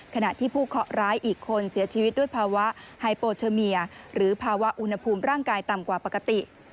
ขณะที่ผู้เคาะร้ายอีกคนเสียชีวิตด้วยภาวะไฮโปเชอร์เมียหรือภาวะอุณหภูมิร่างกายต่ำกว่าปกติ